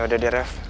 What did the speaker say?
ya udah deh rev